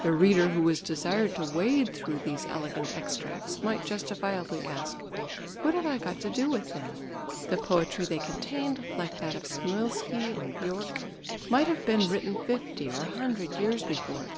The reader who was desired to wade through these elegant extracts, might justifiably ask, "What have I got to do with them?" The poetry they contained, like that of Snoilsky and Björck, might have been written fifty or a hundred years before.